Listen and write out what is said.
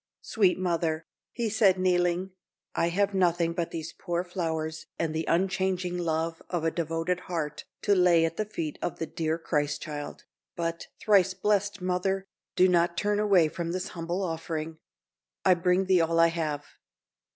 "Sweet mother," said he, kneeling, "I have nothing but these poor flowers and the unchanging love of a devoted heart to lay at the feet of the dear Christ child; but, thrice blessed mother, do not turn away from this humble offering. I bring thee all I have."